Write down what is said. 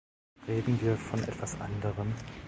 Reden wir von etwas anderem.